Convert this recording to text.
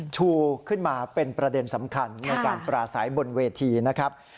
ชูขึ้นมาเป็นประเด็นสำคัญในการปราศัยบนเวทีนะครับ